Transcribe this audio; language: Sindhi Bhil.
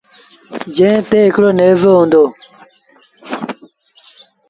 جݩهݩ تي هڪڙو نيزو هُݩدو۔